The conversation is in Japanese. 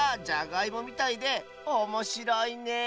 じゃがいもみたいでおもしろいね